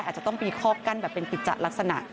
อาจจะต้องมีข้อกั้นแบบเป็นกิจจัดลักษณะ